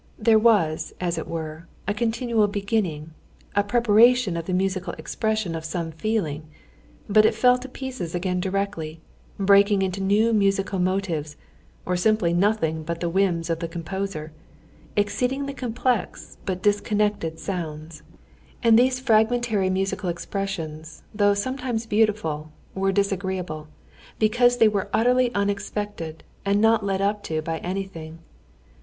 There was, as it were, a continual beginning, a preparation of the musical expression of some feeling, but it fell to pieces again directly, breaking into new musical motives, or simply nothing but the whims of the composer, exceedingly complex but disconnected sounds. And these fragmentary musical expressions, though sometimes beautiful, were disagreeable, because they were utterly unexpected and not led up to by anything.